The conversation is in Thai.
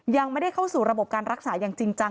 ยังไม่ได้เข้าสู่ระบบการรักษาอย่างจริงจัง